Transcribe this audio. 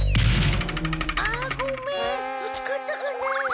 あごめんぶつかったかなあ。